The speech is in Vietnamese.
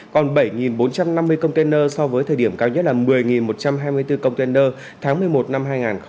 còn bảy bốn trăm năm mươi container so với thời điểm cao nhất là một mươi một trăm hai mươi bốn container tháng một mươi một năm hai nghìn hai mươi ba